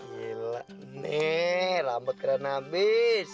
gila nih rame keran abis